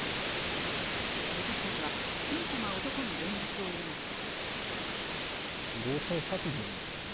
私たちは、すぐさま男に連絡を入れました。